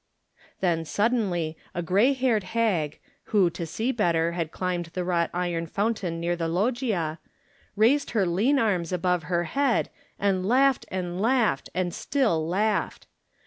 Then suddenly a gray haired hag, who to see better had climbed the wrought iron fountain near the loggia, raised her lean arms above her head and laughed and laughed and still laughed.